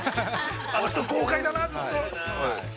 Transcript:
あの人、豪快だな、ずっと。